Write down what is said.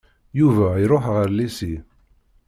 Yuba iruḥ ɣer llisi.